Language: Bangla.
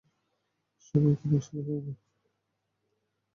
সবাই এখানে একসাথে থাকব।